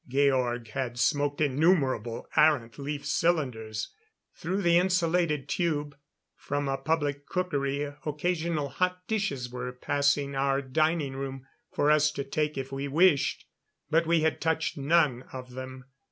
Georg had smoked innumerable arrant leaf cylinders. Through the insulated tube, from a public cookery occasional hot dishes were passing our dining room for us to take if we wished. But we had touched none of them.